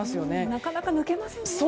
なかなか抜けませんね。